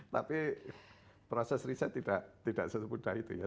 tapi proses riset tidak sesemudah itu ya